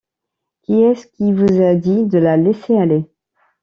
Qui est-ce qui vous a dit de la laisser aller?